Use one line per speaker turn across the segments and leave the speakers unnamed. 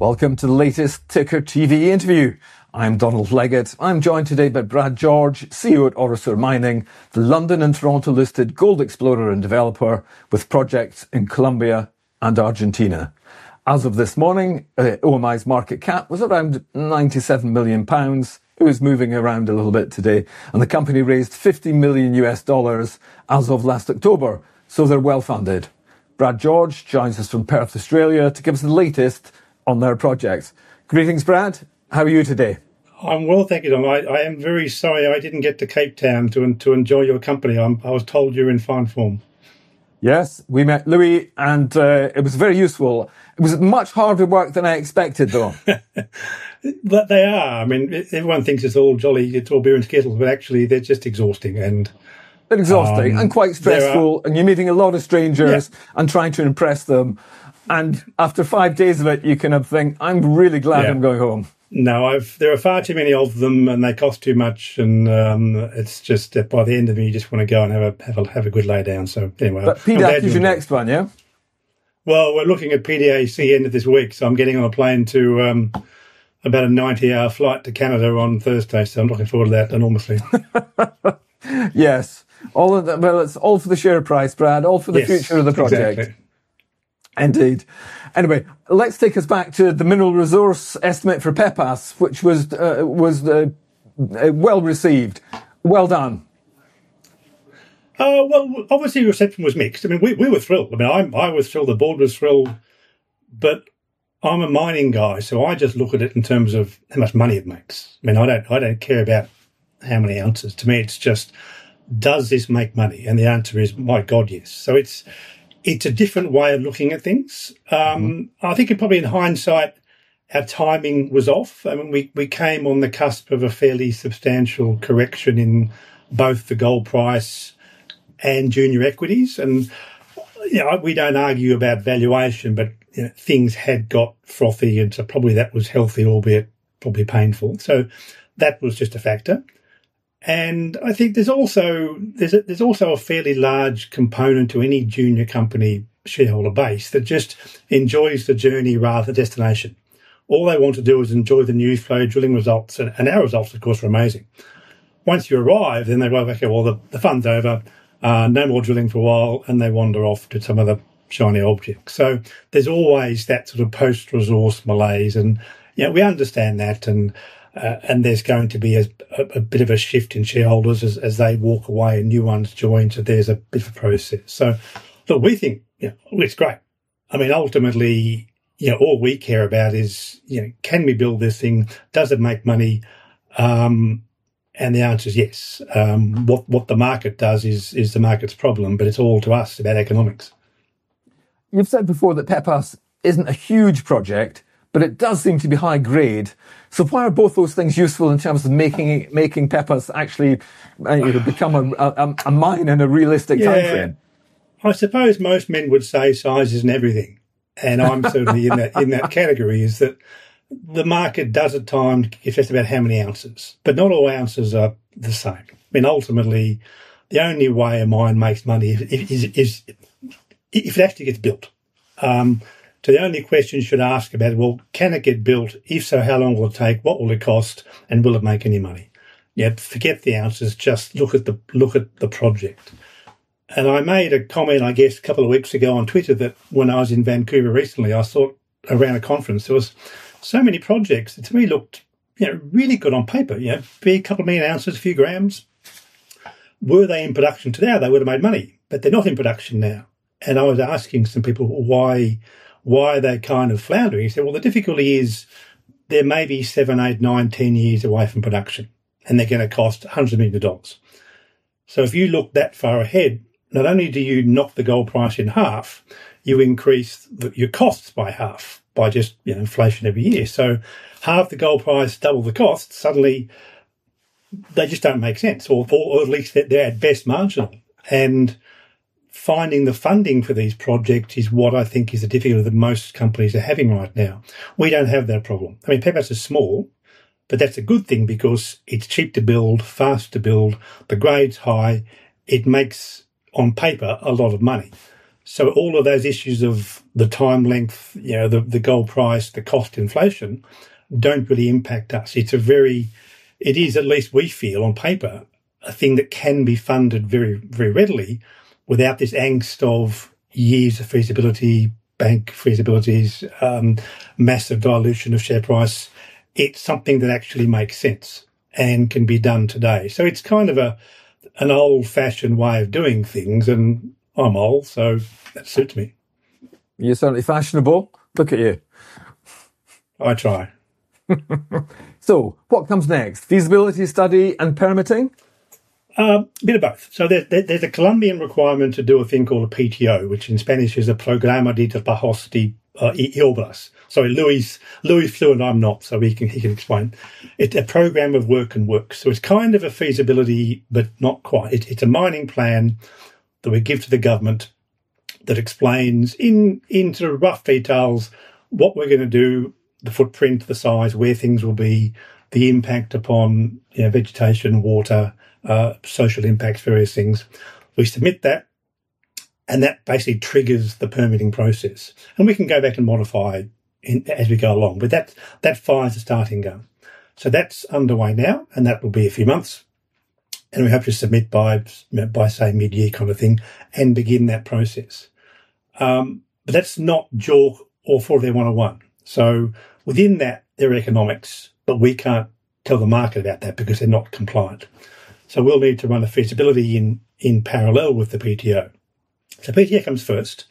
Welcome to the latest Ticker TV interview. I'm Donald Leggett. I'm joined today by Brad George, CEO at Orosur Mining, the London and Toronto-listed gold explorer and developer with projects in Colombia and Argentina. As of this morning, OMI's market cap was around 97 million pounds. It was moving around a little bit today, and the company raised $50 million as of last October, so they're well-funded. Brad George joins us from Perth, Australia, to give us the latest on their project. Greetings, Brad. How are you today?
I'm well, thank you, Don. I am very sorry I didn't get to Cape Town to enjoy your company. I was told you're in fine form.
Yes, we met Louis, and it was very useful. It was much harder work than I expected, though.
They are. I mean, everyone thinks it's all jolly, it's all beer and skittles, but actually, they're just exhausting and,
They're exhausting and quite stressful.
They are.
you're meeting a lot of strangers.
Yeah.
trying to impress them. After five days of it, you kind of think, "I'm really glad.
Yeah.
I'm going home.
No. There are far too many of them, and they cost too much, and it's just by the end of it, you just wanna go and have a good lay down. Anyway. I'm glad you-
PDAC is your next one, yeah?
Well, we're looking at PDAC end of this week, so I'm getting on a plane to about a 90-hour flight to Canada on Thursday. I'm looking forward to that enormously.
Yes. Well, it's all for the share price, Brad. All for the future.
Yes. Exactly.
...of the project. Indeed. Anyway, let's take us back to the mineral resource estimate for Pepas, which was well-received. Well done.
Well, obviously reception was mixed. I mean, we were thrilled. I mean, I was thrilled, the board was thrilled. I'm a mining guy, so I just look at it in terms of how much money it makes. I mean, I don't care about how many ounces. To me, it's just, does this make money? The answer is, my God, yes. It's a different way of looking at things.
Mm-hmm
...I think it probably in hindsight, our timing was off. I mean, we came on the cusp of a fairly substantial correction in both the gold price and junior equities. You know, we don't argue about valuation, but, you know, things had got frothy, and so probably that was healthy, albeit probably painful. That was just a factor. I think there's also a fairly large component to any junior company shareholder base that just enjoys the journey rather than destination. All they want to do is enjoy the news flow, drilling results, and our results, of course, were amazing. Once you arrive, then they go, "Well, the fun's over. No more drilling for a while," and they wander off to some other shiny object. There's always that sort of post-resource malaise, and, you know, we understand that and there's going to be a bit of a shift in shareholders as they walk away and new ones join, so there's a bit of a process. Look, we think, you know, it's great. I mean, ultimately, you know, all we care about is, you know, can we build this thing? Does it make money? And the answer is yes. What the market does is the market's problem, but it's all about economics to us.
You've said before that Pepas isn't a huge project, but it does seem to be high grade. Why are both those things useful in terms of making Pepas actually, you know, become a mine in a realistic timeframe?
Yeah. I suppose most men would say size isn't everything, and I'm sort of in that category is that the market does at times care about how many ounces, but not all ounces are the same. I mean, ultimately, the only way a mine makes money is if it actually gets built. So the only question you should ask about it, well, can it get built? If so, how long will it take? What will it cost? And will it make any money? You have to forget the ounces, just look at the project. I made a comment, I guess, a couple of weeks ago on Twitter that when I was in Vancouver recently, I saw around a conference, there was so many projects that to me looked, you know, really good on paper. You know, be a couple of million ounces, a few grams. Were they in production today, they would have made money, but they're not in production now. I was asking some people why are they kind of floundering? They said, "Well, the difficulty is they may be seven, eight, nine, 10 years away from production, and they're gonna cost $100 million." If you look that far ahead, not only do you knock the gold price in half, you increase your costs by half by just, you know, inflation every year. Half the gold price, double the cost, suddenly they just don't make sense or at least they're at best marginal. Finding the funding for these projects is what I think is the difficulty that most companies are having right now. We don't have that problem. I mean, Pepas is small, but that's a good thing because it's cheap to build, fast to build, the grade's high. It makes, on paper, a lot of money. All of those issues of the time length, you know, the gold price, the cost inflation don't really impact us. It is, at least we feel on paper, a thing that can be funded very, very readily without this angst of years of feasibility, bank feasibilities, massive dilution of share price. It's something that actually makes sense and can be done today. It's kind of an old-fashioned way of doing things, and I'm old, so that suits me.
You're certainly fashionable. Look at you.
I try.
What comes next? Feasibility study and permitting?
A bit of both. There's a Colombian requirement to do a thing called a PTO, which in Spanish is a Programa de Trabajos y Obras. Sorry, Louis is fluent, I'm not, so he can explain. It's a program of work. It's kind of a feasibility, but not quite. It's a mining plan that we give to the government that explains into rough details what we're gonna do, the footprint, the size, where things will be, the impact upon, you know, vegetation, water, social impacts, various things. We submit that. That basically triggers the permitting process. We can go back and modify as we go along, but that fires the starting gun. That's underway now, and that will be a few months. We have to submit by, say, mid-year kind of thing and begin that process. That's not JORC or 43-101. Within that, there are economics, but we can't tell the market about that because they're not compliant. We'll need to run the feasibility in parallel with the PTO. The PTO comes first,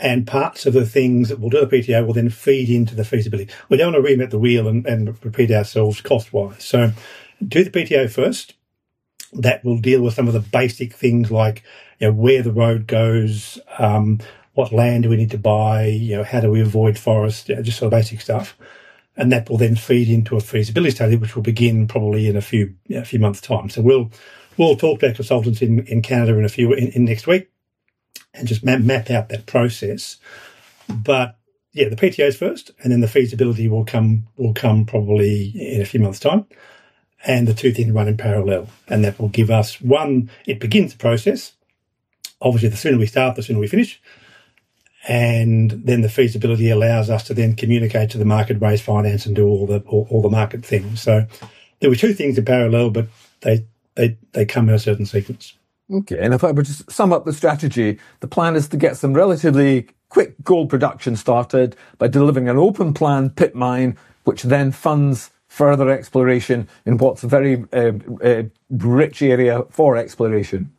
and parts of the things that will do the PTO will then feed into the feasibility. We don't wanna reinvent the wheel and repeat ourselves cost-wise. Do the PTO first. That will deal with some of the basic things like, you know, where the road goes, what land do we need to buy, you know, how do we avoid forest, just sort of basic stuff. That will then feed into a feasibility study, which will begin probably in a few, you know, a few months' time. We'll talk to our consultants in Canada in next week and just map out that process. Yeah, the PTO is first, and then the feasibility will come probably in a few months' time. The two things run in parallel, and that will give us, one, it begins the process. Obviously, the sooner we start, the sooner we finish. Then the feasibility allows us to then communicate to the market, raise finance, and do all the market things. There were two things in parallel, but they come in a certain sequence.
Okay. If I were to sum up the strategy, the plan is to get some relatively quick gold production started by delivering an open-pit mine, which then funds further exploration in what's a very rich area for exploration.
Yeah.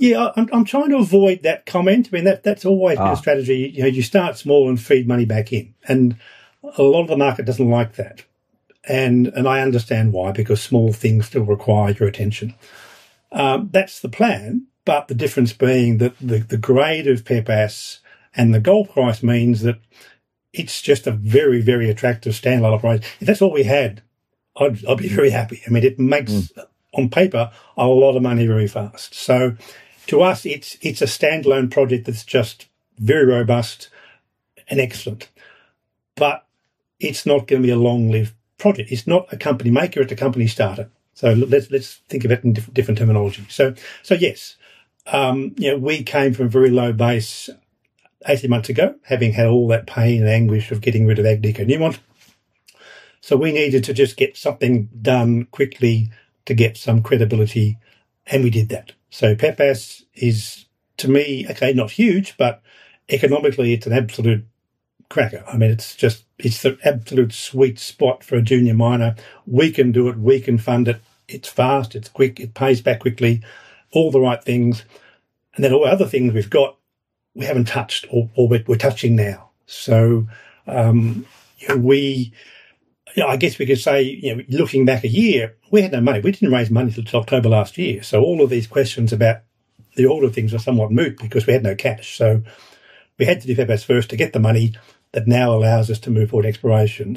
I'm trying to avoid that comment. I mean, that's always.
Ah.
a strategy. You know, you start small and feed money back in, and a lot of the market doesn't like that. I understand why, because small things still require your attention. That's the plan, but the difference being that the grade of Pepas and the gold price means that it's just a very, very attractive standalone price. If that's what we had, I'd be very happy. I mean, it makes
Mm.
...on paper, a lot of money very fast. To us, it's a standalone project that's just very robust and excellent, but it's not gonna be a long-lived project. It's not a company maker, it's a company starter. Let's think of it in different terminology. Yes, you know, we came from a very low base 18 months ago, having had all that pain and anguish of getting rid of Agnico Eagle. We needed to just get something done quickly to get some credibility, and we did that. Pepas is, to me, okay, not huge, but economically it's an absolute cracker. I mean, it's just, it's the absolute sweet spot for a junior miner. We can do it, we can fund it. It's fast, it's quick, it pays back quickly, all the right things. Then all the other things we've got, we haven't touched or we're touching now. You know, I guess we could say, you know, looking back a year, we had no money. We didn't raise money till October last year. All of these questions about the order of things are somewhat moot because we had no cash. We had to do Pepas first to get the money that now allows us to move forward exploration.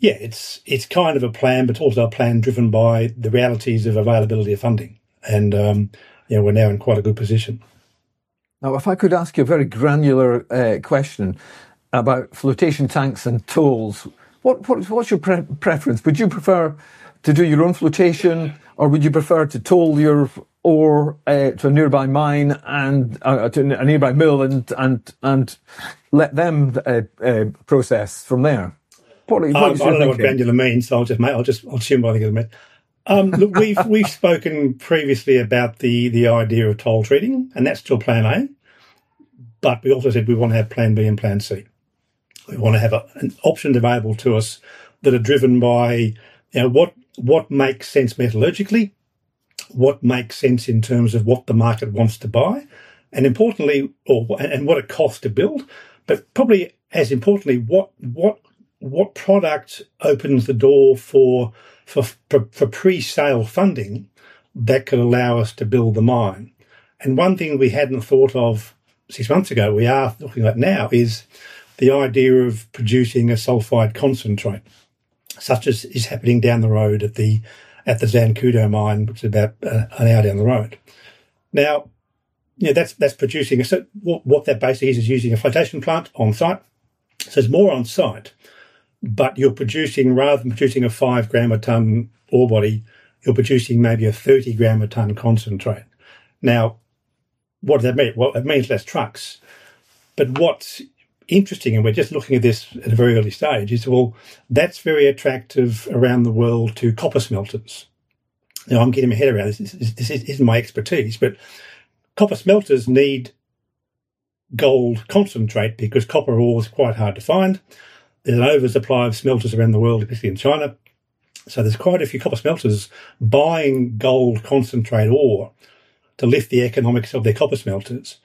Yeah, it's kind of a plan, but also a plan driven by the realities of availability of funding. You know, we're now in quite a good position.
Now, if I could ask you a very granular question about flotation tanks and tolls. What is your preference? Would you prefer to do your own flotation, or would you prefer to toll your ore to a nearby mine and to a nearby mill and let them process from there? What are you thinking?
I don't know what granular means, so I'll just assume by the government. Look, we've spoken previously about the idea of toll treating, and that's still plan A. We also said we wanna have plan B and plan C. We wanna have an option available to us that are driven by, you know, what makes sense metallurgically, what makes sense in terms of what the market wants to buy, and importantly, and what it costs to build. Probably as importantly, what product opens the door for pre-sale funding that could allow us to build the mine. One thing we hadn't thought of six months ago, we are looking at now, is the idea of producing a sulfide concentrate, such as is happening down the road at the Zancudo mine, which is about an hour down the road. Now, you know, what that basically is using a flotation plant on-site. It's more on-site, but you're producing, rather than producing a 5-gram a ton ore body, you're producing maybe a 30-gram a ton concentrate. Now, what does that mean? Well, it means less trucks. What's interesting, and we're just looking at this at a very early stage, is, well, that's very attractive around the world to copper smelters. Now, I'm getting my head around this. This isn't my expertise, but copper smelters need gold concentrate because copper ore is quite hard to find. There's an oversupply of smelters around the world, especially in China. There's quite a few copper smelters buying gold concentrate ore to lift the economics of their copper smelters.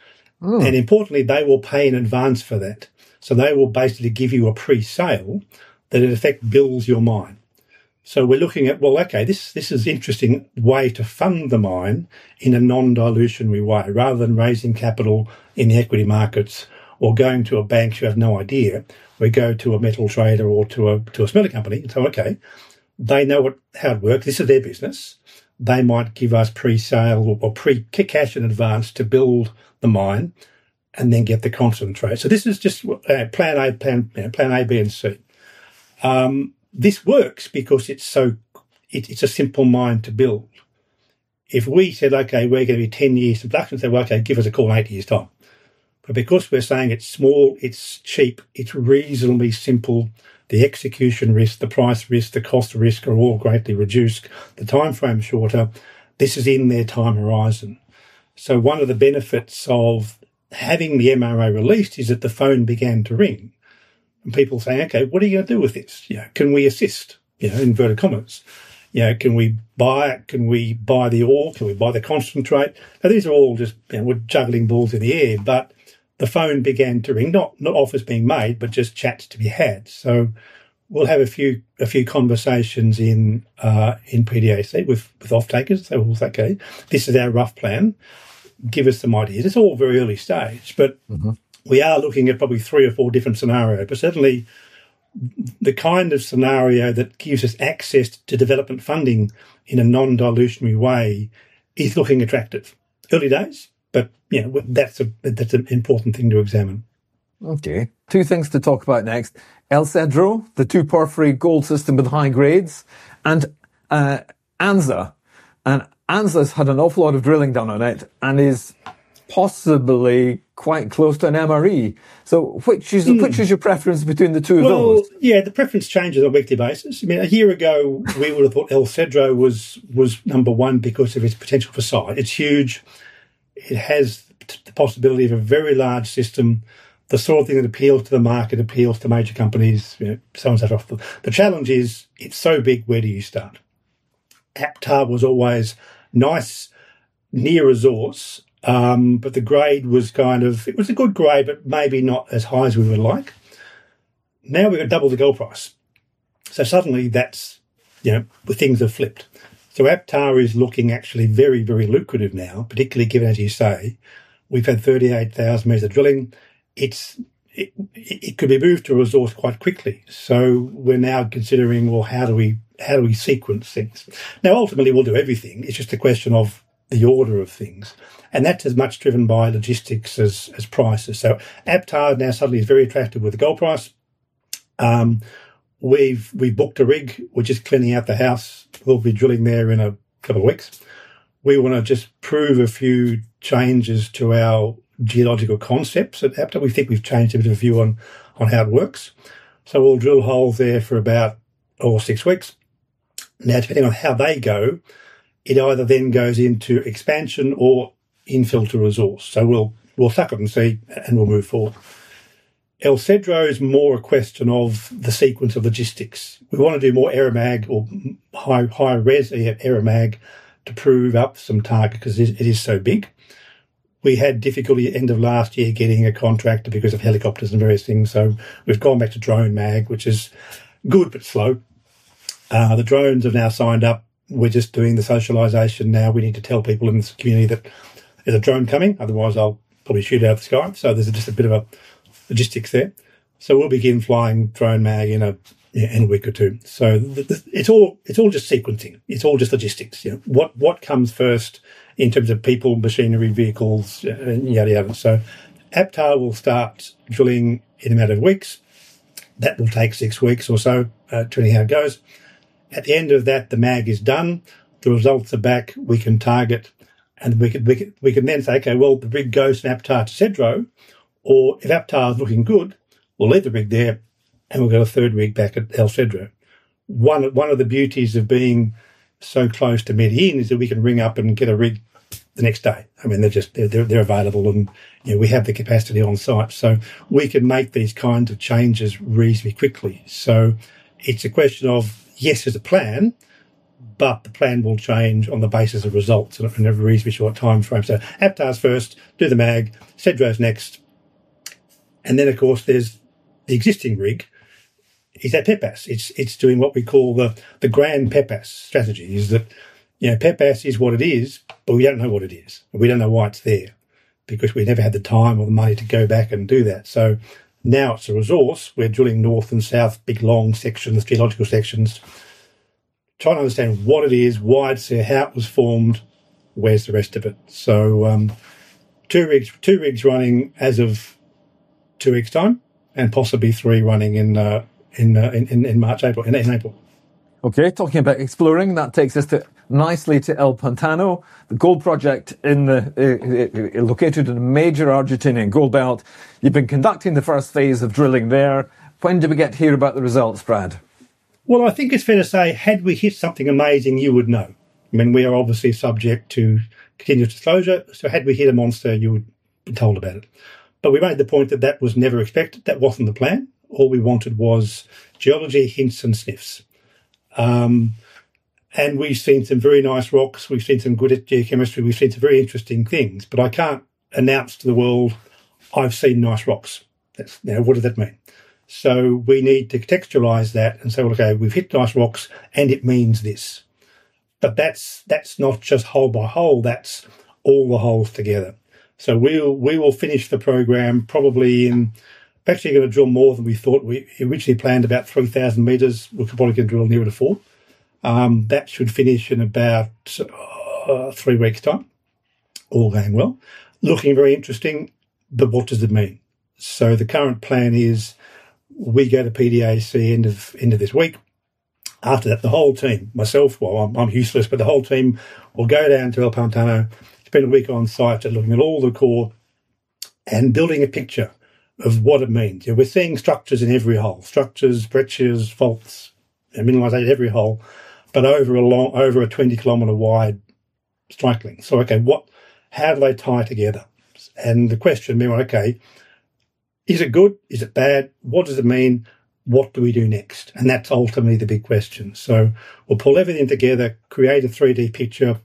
Oh.
Importantly, they will pay in advance for that. They will basically give you a pre-sale that in effect builds your mine. We're looking at, this is an interesting way to fund the mine in a non-dilutionary way. Rather than raising capital in the equity markets or going to a bank you have no idea, we go to a metal trader or to a smelter company and say, "Okay, they know how it works. This is their business. They might give us pre-sale or cash in advance to build the mine and then get the concentrate." This is just plan A, you know, plan A, B, and C. This works because it's a simple mine to build. If we said, "Okay, we're gonna be 10 years production," they will say, "Well, okay, give us a call in eight years' time." But because we're saying it's small, it's cheap, it's reasonably simple, the execution risk, the price risk, the cost risk are all greatly reduced, the timeframe shorter, this is in their time horizon. One of the benefits of having the MRE released is that the phone began to ring and people say, "Okay, what are you gonna do with this?" You know. "Can we assist?" You know, inverted commas. You know, "Can we buy it? Can we buy the ore? Can we buy the concentrate?" Now these are all just, you know, we're juggling balls in the air. The phone began to ring, not offers being made, but just chats to be had. We'll have a few conversations in PDAC with offtakers. Say, "Well, okay, this is our rough plan. Give us some ideas." It's all very early stage, but-
Mm-hmm.
We are looking at probably three or four different scenario. Certainly the kind of scenario that gives us access to development funding in a non-dilutionary way is looking attractive. Early days, but, you know, that's an important thing to examine.
Okay. Two things to talk about next. El Cedro, the two porphyry gold system with high grades, and Anzá. Anzá's had an awful lot of drilling done on it and is possibly quite close to an MRE. Which is-
Mm.
Which is your preference between the two of those?
Well, yeah, the preference changes on a weekly basis. I mean, a year ago we would've thought El Cedro was number one because of its potential for size. It's huge. It has the possibility of a very large system, the sort of thing that appeals to the market, appeals to major companies, you know, so on and so forth. The challenge is it's so big, where do you start? Anzá was always nice near resource, but the grade was kind of it was a good grade, but maybe not as high as we would like. Now we've got double the gold price. Suddenly that's, you know, the things have flipped. Anzá is looking actually very, very lucrative now, particularly given, as you say, we've had 38,000 m of drilling. It could be moved to a resource quite quickly. We're now considering how do we sequence things? Now ultimately we'll do everything. It's just a question of the order of things, and that's as much driven by logistics as prices. Anzá now suddenly is very attractive with the gold price. We've booked a rig. We're just cleaning out the house. We'll be drilling there in a couple of weeks. We wanna just prove a few changes to our geological concepts at Anzá. We think we've changed a bit of a view on how it works. We'll drill hole there for about six weeks. Now, depending on how they go, it either then goes into expansion or infill to resource. We'll suck it and see and we'll move forward. El Cedro is more a question of the sequence of logistics. We wanna do more aeromag or higher-res aeromag to prove up some target 'cause it is so big. We had difficulty end of last year getting a contractor because of helicopters and various things, we've gone back to drone mag, which is good, but slow. The drones have now signed up. We're just doing the socialization now. We need to tell people in this community that there's a drone coming, otherwise they'll probably shoot it out of the sky. There's just a bit of a logistics there. We'll begin flying drone mag in a week or two. It's all just sequencing. It's all just logistics. You know, what comes first in terms of people, machinery, vehicles, and yada yada. Anzá will start drilling in a matter of weeks. That will take six weeks or so, depending on how it goes. At the end of that, the mag is done, the results are back, we can target and we can then say, "Okay, well, the rig goes from Anzá to Cedro." Or if Anzá is looking good, we'll leave the rig there and we'll get a third rig back at El Cedro. One of the beauties of being so close to Medellín is that we can ring up and get a rig the next day. I mean, they're just available and, you know, we have the capacity on site, so we can make these kinds of changes reasonably quickly. It's a question of, yes, there's a plan, but the plan will change on the basis of results in a reasonably short timeframe. Anzá's first, do the mag, Cedro's next, and then of course there's the existing rig at Pepas. It's doing what we call the grand Pepas strategy, is that you know, Pepas is what it is, but we don't know what it is and we don't know why it's there because we never had the time or the money to go back and do that. Now it's a resource, we're drilling north and south, big long sections, geological sections, trying to understand what it is, why it's there, how it was formed, where's the rest of it. Two rigs running as of two weeks' time, and possibly three running in March, April. In April.
Okay. Talking about exploring, that takes us nicely to El Pantano, the gold project located in a major Argentinian gold belt. You've been conducting the first phase of drilling there. When do we get to hear about the results, Brad?
Well, I think it's fair to say had we hit something amazing, you would know. I mean, we are obviously subject to continuous disclosure. Had we hit a monster, you would be told about it. We made the point that that was never expected. That wasn't the plan. All we wanted was geology hints and sniffs. We've seen some very nice rocks. We've seen some good geochemistry. We've seen some very interesting things. I can't announce to the world, "I've seen nice rocks." That's you know, what does that mean? We need to contextualize that and say, "Well, okay, we've hit nice rocks and it means this." That's not just hole by hole. That's all the holes together. We will finish the program probably in. We're actually gonna drill more than we thought. We originally planned about 3,000 m. We're probably gonna drill nearer to four. That should finish in about three weeks' time. All going well. Looking very interesting, but what does it mean? The current plan is we go to PDAC end of this week. After that, the whole team, myself, well, I'm useless, but the whole team will go down to El Pantano, spend a week on site looking at all the core and building a picture of what it means. You know, we're seeing structures in every hole. Structures, breccias, faults, and mineralization in every hole, but over a 20-km wide strike length. How do they tie together? The question being, okay, is it good? Is it bad? What does it mean? What do we do next? That's ultimately the big question. We'll pull everything together, create a three-day picture,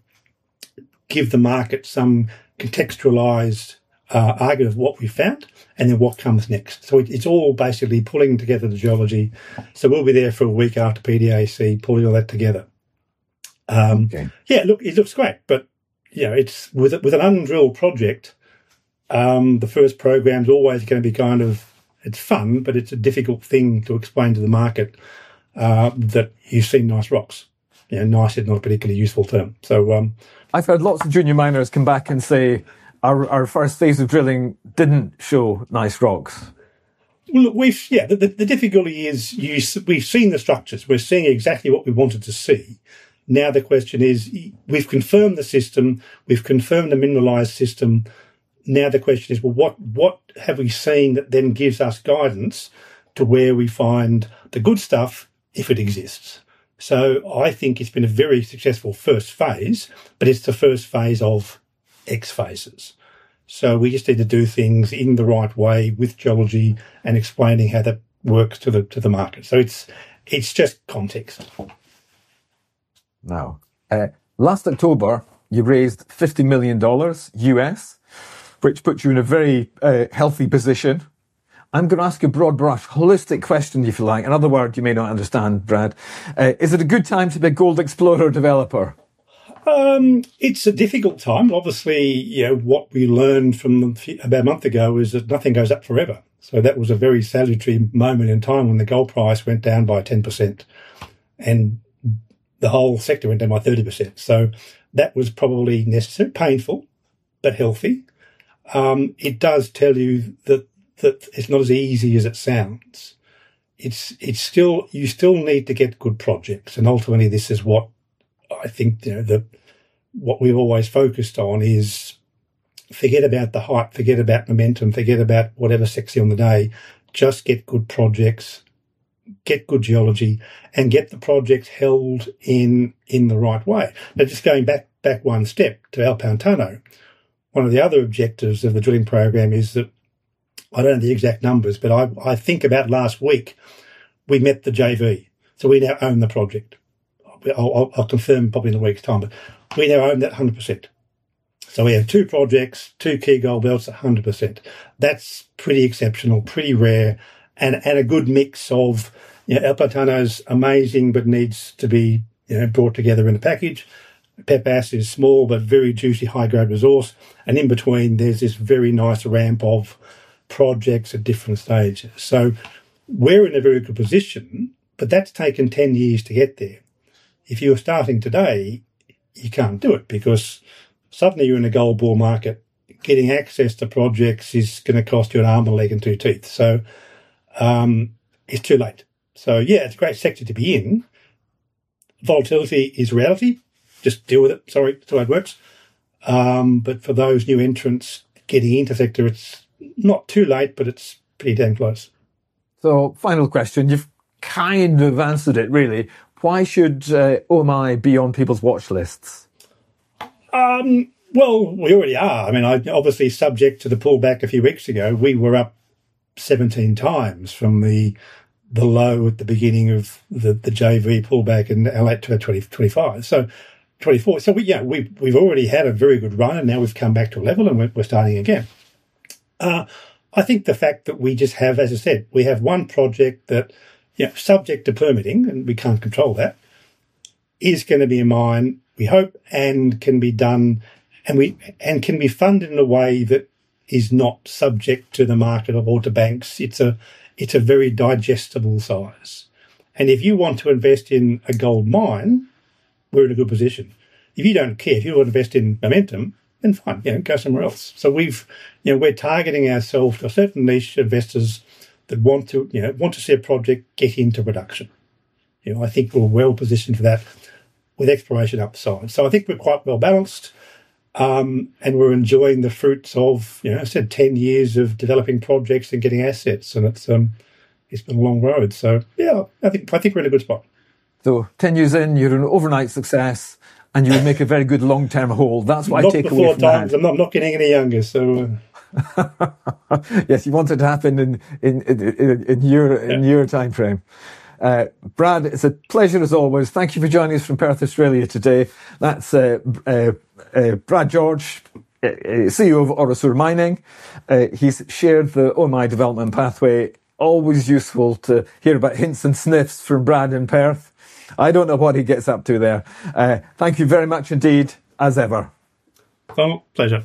give the market some contextualized argot of what we found and then what comes next. It's all basically pulling together the geology. We'll be there for a week after PDAC, pulling all that together.
Okay.
Yeah. Look, it looks great, but, you know, it's with an undrilled project, the first program's always gonna be kind of, it's fun, but it's a difficult thing to explain to the market, that you've seen nice rocks. You know, nice is not a particularly useful term. So,
I've heard lots of junior miners come back and say, "Our first phase of drilling didn't show nice rocks.
Well, look. Yeah. The difficulty is we've seen the structures, we're seeing exactly what we wanted to see. Now the question is we've confirmed the system, we've confirmed the mineralized system. Now the question is, well, what have we seen that then gives us guidance to where we find the good stuff if it exists? I think it's been a very successful first phase, but it's the first phase of X phases. We just need to do things in the right way with geology and explaining how that works to the market. It's just context.
Now, last October, you raised $50 million, which puts you in a very healthy position. I'm gonna ask a broad brush, holistic question, if you like. Another word you may not understand, Brad. Is it a good time to be a gold explorer developer?
It's a difficult time. Obviously, you know, what we learned from the fall about a month ago is that nothing goes up forever. That was a very salutary moment in time when the gold price went down by 10% and the whole sector went down by 30%. That was probably necessary. Painful, but healthy. It does tell you that it's not as easy as it sounds. It's still. You still need to get good projects, and ultimately this is what I think, you know, what we've always focused on is forget about the hype, forget about momentum, forget about whatever sexy on the day. Just get good projects, get good geology, and get the project held in the right way. Now, just going back one step to El Pantano. One of the other objectives of the drilling program is that, I don't know the exact numbers, but I think about last week we met the JV, so we now own the project. I'll confirm probably in a week's time, but we now own that 100%. We have two projects, two key gold belts, 100%. That's pretty exceptional, pretty rare and a good mix of, you know, El Pantano's amazing, but needs to be, you know, brought together in a package. Pepas is small but very juicy, high-grade resource, and in between there's this very nice ramp of projects at different stages. We're in a very good position, but that's taken 10 years to get there. If you were starting today, you can't do it because suddenly you're in a gold bull market. Getting access to projects is gonna cost you an arm, a leg and two teeth. It's too late. Yeah, it's a great sector to be in. Volatility is reality. Just deal with it. Sorry, it's the way it works. For those new entrants getting into sector, it's not too late, but it's pretty damn close.
Final question. You've kind of answered it really. Why should OMI be on people's watch lists?
Well, we already are. I mean, obviously subject to the pullback a few weeks ago, we were up 17 times from the low at the beginning of the JV pullback in late 2024. Yeah. We've already had a very good run, and now we've come back to a level and we're starting again. I think the fact that we just have, as I said, we have one project that, you know, subject to permitting, and we can't control that, is gonna be a mine, we hope, and can be done and can be funded in a way that is not subject to the market of auto banks. It's a very digestible size. If you want to invest in a gold mine, we're in a good position. If you don't care, if you wanna invest in momentum, then fine. You know, go somewhere else. We've you know, we're targeting ourselves to a certain niche investors that want to, you know, want to see a project get into production. You know, I think we're well positioned for that with exploration upside. I think we're quite well-balanced, and we're enjoying the fruits of, you know, as I said, 10 years of developing projects and getting assets and it's been a long road. Yeah, I think we're in a good spot.
10 years in, you're an overnight success and you'll make a very good long-term hold. That's why I take away from that.
Knock me four times. I'm not getting any younger, so.
Yes, you want it to happen in your timeframe. Brad, it's a pleasure as always. Thank you for joining us from Perth, Australia today. That's Brad George, CEO of Orosur Mining. He's shared the OMI development pathway. Always useful to hear about hints and sniffs from Brad in Perth. I don't know what he gets up to there. Thank you very much indeed as ever.
Well, pleasure.